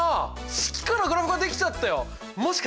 式からグラフが出来ちゃったよ。